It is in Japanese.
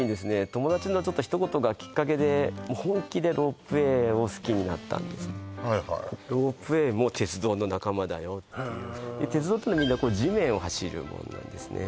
友達のひと言がきっかけで本気でロープウェイを好きになったんです「ロープウェイも鉄道の仲間だよ」っていう鉄道ってのはみんな地面を走るものなんですね